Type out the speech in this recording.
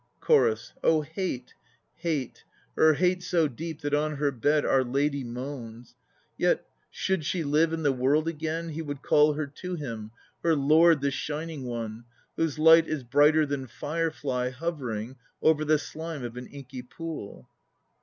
CHORUS. Hate, Hate! Her 2 hate so deep that on her bed Our lady s moans. Yet, should she live in the world again, 4 He would call her to him, her Lord The Shining One, whose light Is brighter than fire fly hovering Over the slime of an inky pool.